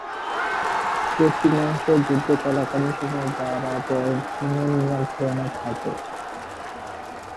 পশ্চিমাংশ যুদ্ধ চলাকালীন সময়ে বরাবর চীনের নিয়ন্ত্রণে থাকে।